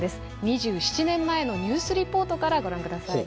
２７年前のニュースリポートからご覧下さい。